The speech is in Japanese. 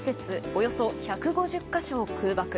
およそ１５０か所を空爆。